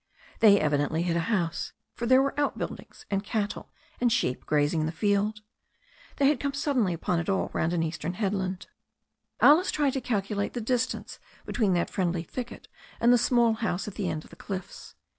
They evidently hid a house, for there were outbuildings, and cattle and sheep grazing in the field. They had come suddenly upon it all round an eastern headland. Alice tried to calculate the distance between that friendly thicket and the small house at the end of the cliffs.